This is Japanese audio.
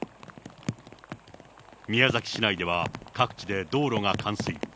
宮崎市内では各地で道路が冠水。